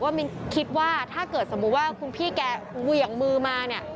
มินคิดว่าถ้าเกิดสมมุติว่าคุณพี่แกเหวี่ยงมือมาเนี่ย